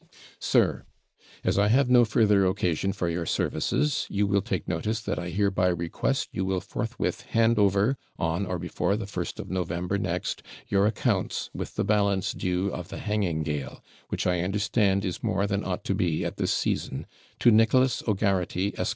SIR, As I have no further occasion for your services, you will take notice, that I hereby request you will forthwith hand over, on or before the 1st of November next, your accounts, with the balance due of the HANGING GALE (which, I understand, is more than ought to be at this season) to Nicholas O'Garraghty, Esq.